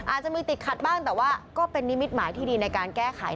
อาจจะมีติดขัดบ้างแต่ว่าก็เป็นนิมิตหมายที่ดีในการแก้ไข